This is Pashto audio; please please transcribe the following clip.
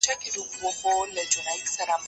زه پرون د کتابتون پاکوالی کوم؟